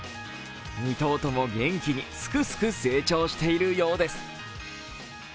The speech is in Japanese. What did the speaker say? ２頭とも元気にすくすく成長しているようです。